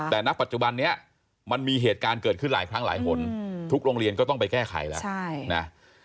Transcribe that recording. แต่ณปัจจุบันนี้มันมีเหตุการณ์เกิดขึ้นหลายครั้งหลายหนทุกโรงเรียนก็ต้องไปแก้ไขแล้วนะ